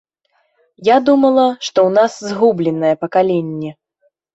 Я думала, што ў нас згубленае пакаленне.